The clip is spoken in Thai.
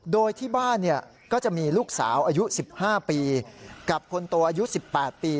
โดยที่บ้านก็จะมีลูกสาวอายุ๑๕ปีกับคนโตอายุ๑๘ปี